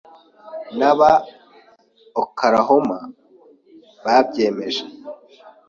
n’aba Oklahoma babyemeje